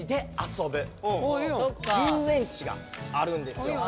遊園地があるんですよ。